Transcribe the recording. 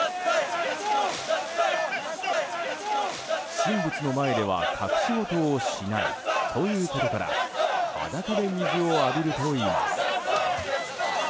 神仏の前では隠し事をしないということから裸で水を浴びるといいます。